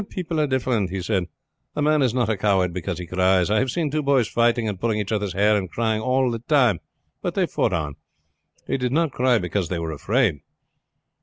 "People are different," he said. "A man is not a coward because he cries. I have seen two boys fighting and pulling each other's hair and crying all the time, but they fought on. They did not cry because they were afraid."